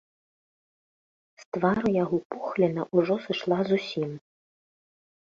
З твару яго пухліна ўжо сышла зусім.